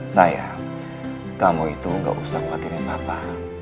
sayang kamu itu gak usah ngelakirin papa